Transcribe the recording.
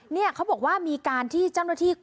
เนี่ยเขาบอกว่ามีการที่เจ้าหน้าที่